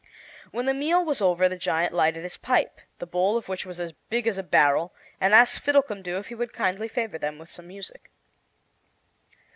When the meal was over the giant lighted his pipe, the bowl of which was as big as a barrel, and asked Fiddlecumdoo if he would kindly favor them with some music.